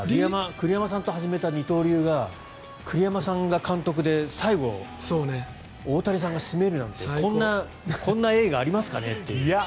栗山さんと始めた二刀流が栗山さんが監督で最後、大谷さんが締めるなんてこんな映画ありますかねっていう。